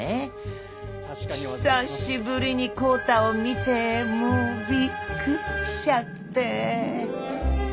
久しぶりに康太を見てもうびっくりしちゃって。